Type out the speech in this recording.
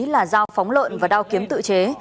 là giao phóng lợn và đao kiếm tự chế